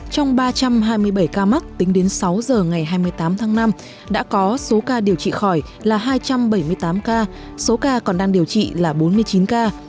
trong ba trăm hai mươi bảy ca mắc tính đến sáu giờ ngày hai mươi tám tháng năm đã có số ca điều trị khỏi là hai trăm bảy mươi tám ca số ca còn đang điều trị là bốn mươi chín ca